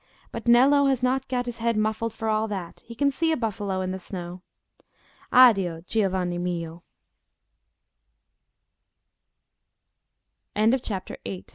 But Nello has not got his head muffled for all that; he can see a buffalo in the snow. Addio, giovane mio." CHAPTER IX.